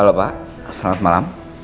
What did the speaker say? halo pak selamat malam